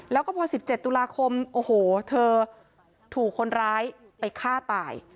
แล้วก็พอ๑๗ตุลาคมโอ้โหเธอถูกคนร้ายไปฆ่าตาย